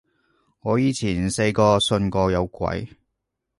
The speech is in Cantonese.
我以前細個信過有鬼